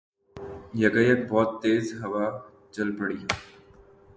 یکایک بہت تیز ہوا چل پڑی